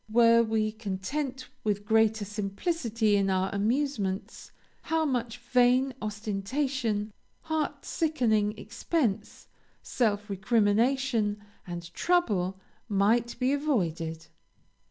Were we content with greater simplicity in our amusements, how much vain ostentation, heart sickening expense, self recrimination, and trouble, might be avoided!